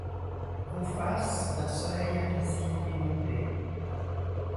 Vos faces, d’un soleil invisible inondées